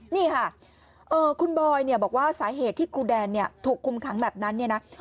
นี่ค่ะคุณบอยบอกว่าสาเหตุที่ครูแดนถูกคุมค้างแบบนั้น